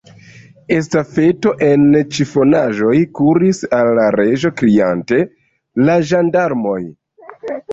Estafeto en ĉifonaĵoj kuris al la Reĝo, kriante: "La ĝendarmoj!"